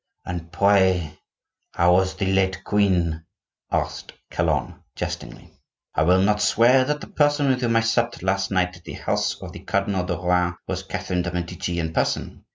"And pray, how was the late queen?" asked Calonne, jestingly. "I will not swear that the person with whom I supped last night at the house of the Cardinal de Rohan was Catherine de' Medici in person.